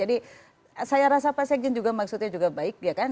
jadi saya rasa pak sekjin juga maksudnya juga baik ya kan